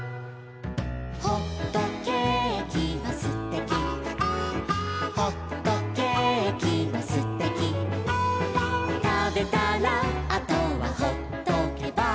「ほっとけーきはすてき」「ほっとけーきはすてき」「たべたらあとはほっとけば」